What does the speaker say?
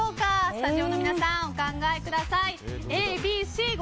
スタジオの皆さんお考えください。